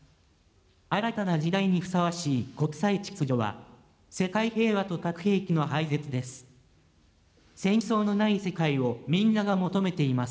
新たな時代にふさわしい国際秩序は、世界平和と核兵器の廃絶です。